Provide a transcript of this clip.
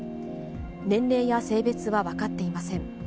年齢や性別は分かっていません。